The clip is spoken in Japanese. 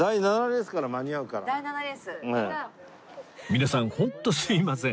皆さんホントすみません！